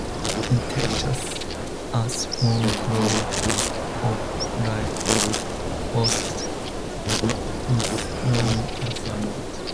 In Texas, a small grove of live oaks is known as a mott.